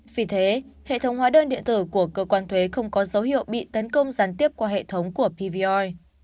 vì thế hệ thống hóa đơn điện tử của cơ quan thuế không có dấu hiệu bị tấn công gián tiếp qua hệ thống của pvoi